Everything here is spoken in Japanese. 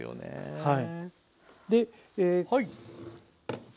はい。